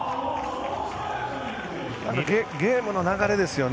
ゲームの流れですよね。